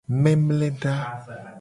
Memleda.